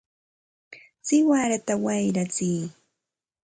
¡siwarata wayratsiy!